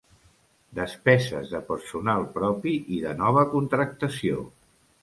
Despeses de personal propi i de nova contractació.